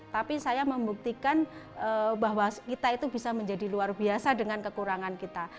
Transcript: tapi saya membuktikan bahwa kita itu bisa menjadi luar biasa dengan kekurangan kita